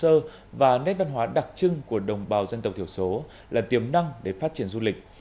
sơ và nét văn hóa đặc trưng của đồng bào dân tộc thiểu số là tiềm năng để phát triển du lịch